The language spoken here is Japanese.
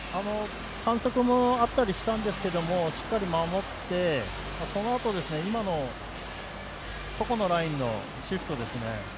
反則もあったりしたんですがしっかり守って、そのあと今の床のラインのシフトですね。